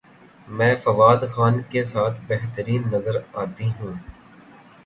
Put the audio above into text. میں فواد خان کے ساتھ بہترین نظر اتی ہوں